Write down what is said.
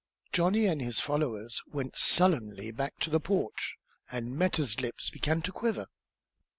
Johnny and his followers went sullenly back to the porch, and Meta's lip began to quiver.